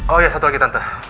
oh iya satu lagi tante